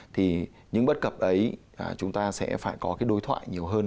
thì những bất cập ấy chúng ta sẽ phải có cái đối thoại nhiều hơn